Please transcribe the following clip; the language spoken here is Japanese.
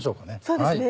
そうですね。